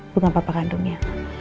bukan papa kandungnya